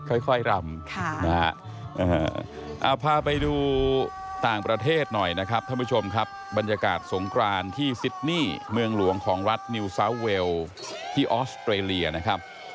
ค่อยรำพาไปดูต่างประเทศหน่อยนะครับท่านผู้ชมครับบรรยากาศสงครานที่ซิดนี่เมืองหลวงของรัฐนิวซาวเวลที่ออสเตรเลียนะครับ